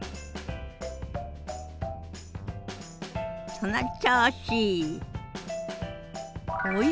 その調子！